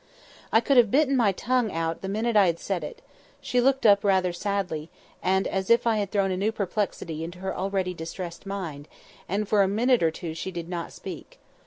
I could have bitten my tongue out the minute I had said it. She looked up rather sadly, and as if I had thrown a new perplexity into her already distressed mind; and for a minute or two she did not speak.